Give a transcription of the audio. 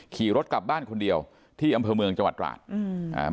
ขี่รถกลับบ้านคนเดียวที่อำเภอเมืองจังหวัดตราดอืมอ่า